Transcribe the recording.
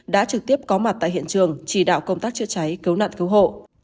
đã trực tiếp có mặt tại hiện trường chỉ đạo công tác chữa cháy cứu nạn cứu hộ